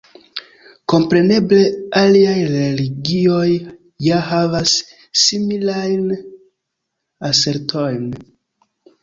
Kompreneble aliaj religioj ja havas similajn asertojn.